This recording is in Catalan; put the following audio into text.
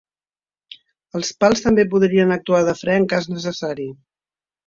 Els pals també podrien actuar de fre en cas necessari.